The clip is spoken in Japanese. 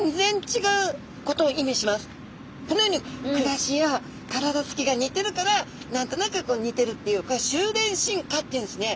このように暮らしや体つきが似てるから何となく似てるっていう収斂進化っていうんですね。